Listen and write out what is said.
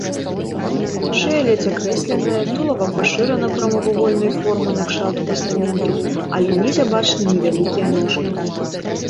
Шыя ледзь акрэсленая, тулава пашырана, прамавугольнай формы накшталт пастаменту, але ўнізе бачны невялікія ножкі.